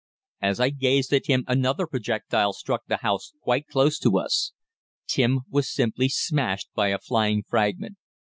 As I gazed at him another projectile struck the house quite close to us. Tim was simply smashed by a flying fragment.